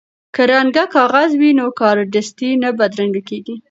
که رنګه کاغذ وي نو کارډستي نه بدرنګیږي.